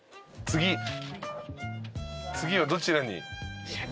次はどちらに？